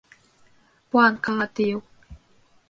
Планкаға тейеү